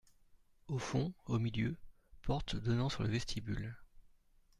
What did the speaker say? Au fond, au milieu, porte donnant sur le vestibule.